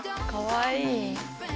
かわいい。